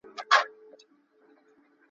زه به اوږده موده کتاب ليکلی وم؟